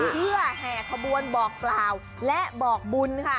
เพื่อแห่ขบวนบอกกล่าวและบอกบุญค่ะ